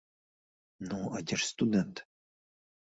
Ну, а дзе ж студэнт?